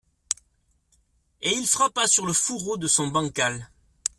Et il frappa sur le fourreau de son bancal.